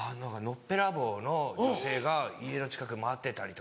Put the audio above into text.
のっぺらぼうの女性が家の前で待ってたん？